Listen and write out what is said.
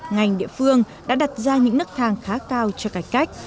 ngành địa phương đã đặt ra những nức thang khá cao cho cải cách